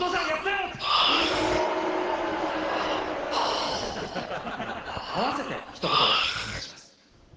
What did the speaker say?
あの合わせてひと言でお願いします。